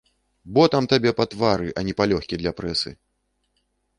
Ботам табе па твары, а не палёгкі для прэсы!